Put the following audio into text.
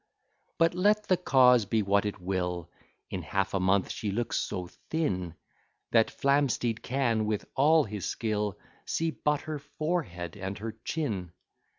But let the cause be what it will, In half a month she looks so thin, That Flamsteed can, with all his skill, See but her forehead and her chin.